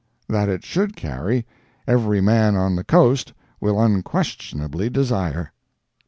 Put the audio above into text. That it should carry, every man on the "coast" will unquestionably desire.